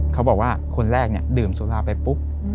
เขาบอกว่าคนแรกเนี่ยดื่มสุราไปปุ๊บ